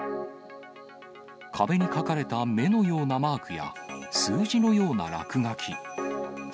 壁に書かれた目のようなマークや、数字のような落書き。